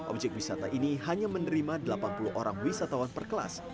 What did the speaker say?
objek wisata ini hanya menerima delapan puluh orang wisatawan per kelas